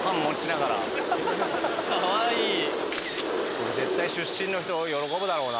これ絶対出身の人喜ぶだろうな。